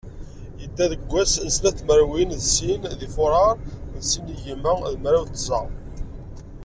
Yebda deg wass, n snat tmerwin d sin deg furar, sin yigiman d mraw d tẓa.